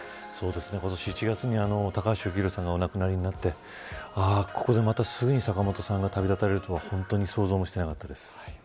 今年１月に、高橋幸宏さんがお亡くなりになってここで、またすぐに坂本さんが旅立たれるとは想像もしなかったです。